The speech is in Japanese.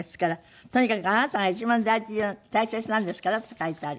とにかくあなたが一番大切なんですからって書いてある。